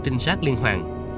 trinh sát liên hoạn